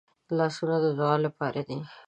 لاسونه د دعا لپاره دي